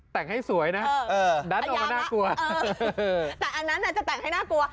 แต่งให้สวยนะดันออกมาน่ากลัวแต่อันนั้นจะแต่งให้น่ากลัว